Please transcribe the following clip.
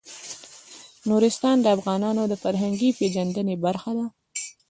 نورستان د افغانانو د فرهنګي پیژندنې برخه ده.